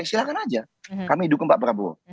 silahkan aja kami dukung pak prabowo